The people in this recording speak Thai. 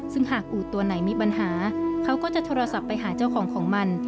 ซึ่งหากอูดตัวไหนมีปัญหาเขาก็จะโทรศัพท์ไปหาเจ้าของของมัน